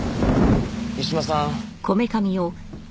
三島さん。